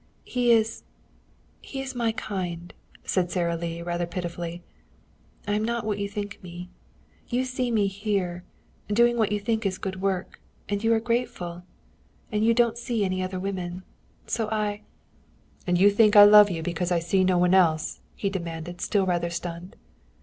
"He is he is my kind," said Sara Lee rather pitifully. "I am not what you think me. You see me here, doing what you think is good work, and you are grateful. And you don't see any other women. So I " "And you think I love you because I see no one else?" he demanded, still rather stunned.